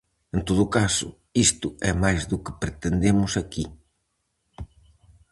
En todo caso, isto é máis do que pretendemos aquí.